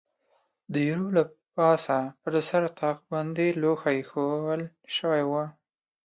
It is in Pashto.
د ایرو له پاسه پر سر طاق باندې لوښي اېښوول شوي و.